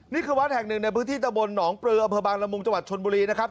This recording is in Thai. นี่คือวัดแห่งหนึ่งในพื้นที่ตะบนหนองปลืออำเภอบางละมุงจังหวัดชนบุรีนะครับ